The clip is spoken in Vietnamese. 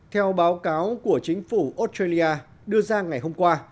theo báo cáo của chính phủ australia đưa ra ngày hôm qua